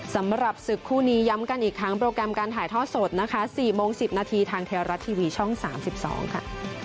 สำหรับศึกคู่นี้ย้ำกันอีกครั้งโปรแกรมการถ่ายทอดสดนะคะ๔โมง๑๐นาทีทางไทยรัฐทีวีช่อง๓๒ค่ะ